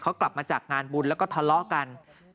เขากลับมาจากงานบุญแล้วก็ทะเลาะกัน